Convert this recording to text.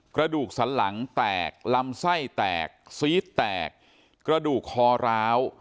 กระดูกสันหลังแตกลำไส้แตกซีดแตกกระดูกคอร้าว